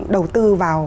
đầu tư vào